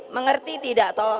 mengerti tidak toh